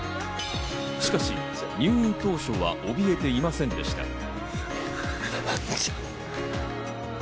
しかし、入院当初はおびえていませんでした。